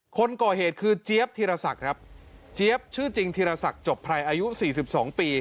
คนก่อเหตุคือเจี๊ยบธีรศักดิ์ครับเจี๊ยบชื่อจริงธีรศักดิ์จบไพรอายุ๔๒ปี